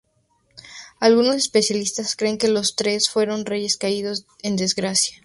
Algunos especialistas creen que los tres fueron reyes caídos en desgracia.